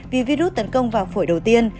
vì virus tấn công vào phổi đầu tiên